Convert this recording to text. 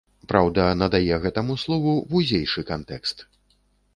Праўда, надае гэтаму слову вузейшы кантэкст.